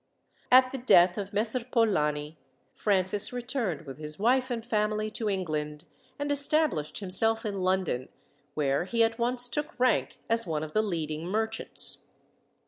At the death of Messer Polani, Francis returned with his wife and family to England, and established himself in London, where he at once took rank as one of the leading merchants.